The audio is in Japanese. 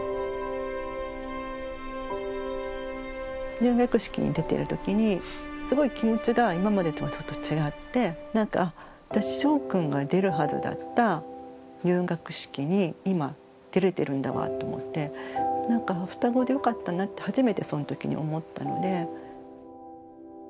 入学式に出てるときにすごい気持ちが今までとはちょっと違って私しょうくんが出るはずだった入学式に今出れてるんだわと思ってなんか双子でよかったなって初めてそのときに思ったので。